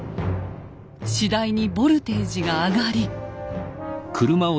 次第にボルテージが上がり。